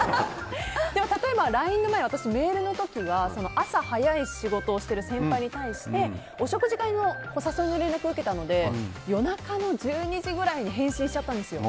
例えば、ＬＩＮＥの前のメールの時は朝早い仕事をしている先輩に対してお食事会のお誘いの連絡を受けたので夜中の１２時くらいに返信しちゃったんですよ。